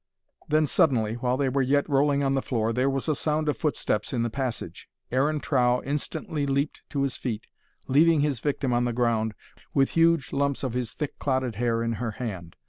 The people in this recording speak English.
Then suddenly, while they were yet rolling on the floor, there was a sound of footsteps in the passage. Aaron Trow instantly leaped to his feet, leaving his victim on the ground, with huge lumps of his thick clotted hair in her hand.